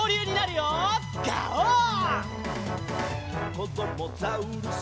「こどもザウルス